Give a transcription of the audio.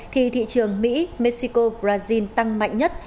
thì thị trường mỹ mexico brazil tăng mạnh nhất